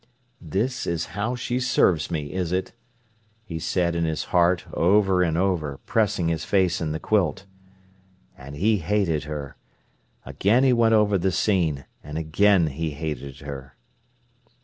"This is how she serves me, is it?" he said in his heart, over and over, pressing his face in the quilt. And he hated her. Again he went over the scene, and again he hated her.